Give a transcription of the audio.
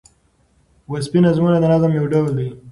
وصفي نظمونه د نظم یو ډول دﺉ.